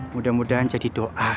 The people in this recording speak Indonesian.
mudah mudahan jadi doa